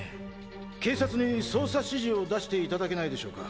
警察に捜査指示を出して頂けないでしょうか？